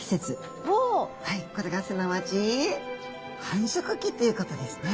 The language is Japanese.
これがすなわち繁殖期ということですね。